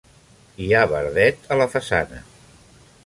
Hi ha verdet a la façana.